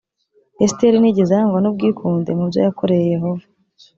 esiteri ntiyigeze arangwa n ubwikunde mu byo yakoreye yehova